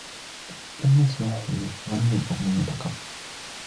لم نسمعه يغني الأغنية قط.